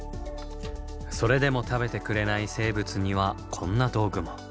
それでも食べてくれない生物にはこんな道具も。